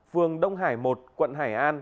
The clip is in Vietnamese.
phường đông hải một quận hải an